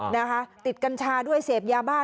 นะคะติดกัญชาด้วยเสพยาบ้า